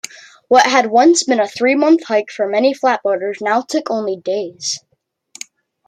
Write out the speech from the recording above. What had once been a three-month hike for many flatboaters, now took only days.